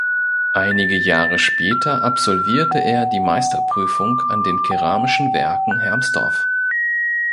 Einige Jahre später absolvierte er die Meisterprüfung an den Keramischen Werken Hermsdorf.